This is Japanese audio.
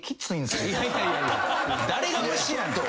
誰が虫やねん。